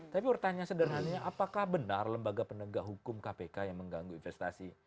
tapi pertanyaan sederhananya apakah benar lembaga penegak hukum kpk yang mengganggu investasi